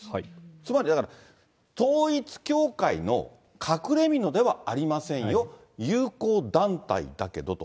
つまりだから、統一教会の隠れみのではありませんよ、友好団体だけどと。